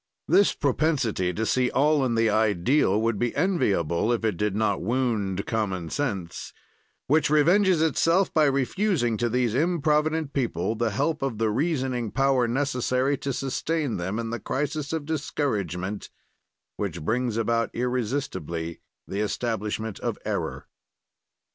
"This propensity to see all in the ideal would be enviable if it did not wound common sense, which revenges itself by refusing to these improvident people the help of the reasoning power necessary to sustain them in the crisis of discouragement which brings about irresistibly the establishment of error.